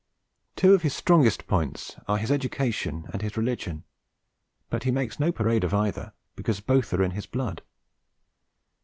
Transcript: Two of his strongest point are his education and his religion, but he makes no parade of either, because both are in his blood.